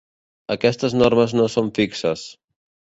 Aquestes normes no són fixes.